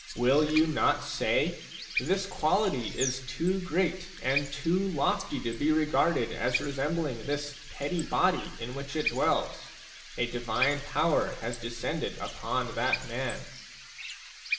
Will you not say :" This quality is too great and too lofty to be regarded as resembling this petty body in which it dwells ? A divine power has descended upon that man."